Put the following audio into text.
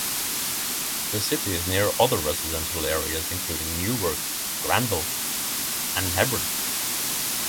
The city is near other residential areas including Newark, Granville, and Hebron.